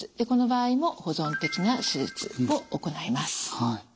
この場合も保存的な手術を行います。